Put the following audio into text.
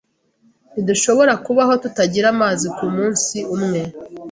Ntidushobora kubaho tutagira amazi kumunsi umwe.